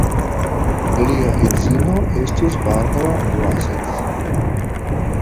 Lia edzino estis Barbara Vlasits.